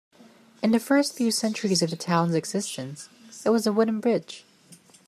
In the first few centuries of the town's existence, it was a wooden bridge.